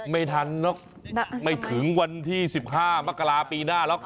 ไม่ทันหรอกไม่ถึงวันที่๑๕มกราปีหน้าหรอก